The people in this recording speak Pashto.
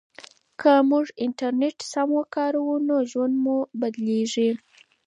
که موږ انټرنیټ سم وکاروو نو ژوند مو بدلیږي.